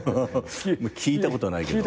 聞いたことないけど。